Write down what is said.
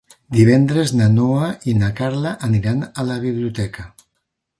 Divendres na Noa i na Carla aniran a la biblioteca.